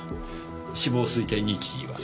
死亡推定日時は？